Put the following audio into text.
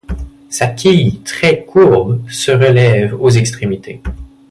Sa quille très courbe se relève aux extrémités.